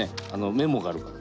メモがあるから。